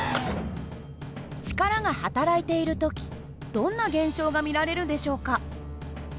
力がはたらいている時どんな現象が見られるんでしょうか？